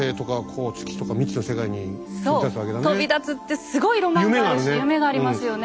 そう飛び立つってすごいロマンがあるし夢がありますよね。